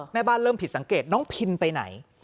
แม่บ้านเริ่มผิดสังเกตน้องพินไปไหน